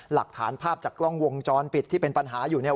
หลักฐานภาพจากกล้องวงจรปิดที่เป็นปัญหาอยู่เนี่ย